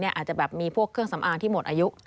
อาจจะแบบมีพวกเครื่องสำอางที่หมดอายุ